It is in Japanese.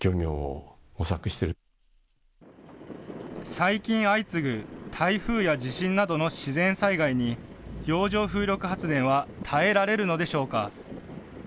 最近相次ぐ台風や地震などの自然災害に、洋上風力発電は耐えられるのでしょうか。